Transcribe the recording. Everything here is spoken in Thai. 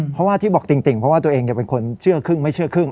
เพราะว่าที่บอกติ่งเพราะว่าตัวเองจะเป็นคนเชื่อครึ่งไม่เชื่อครึ่ง